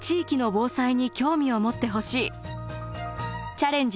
「チャレンジ！